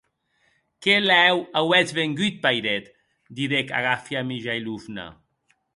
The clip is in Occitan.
Qué lèu auetz vengut, pairet!, didec Agafia Mijailovna.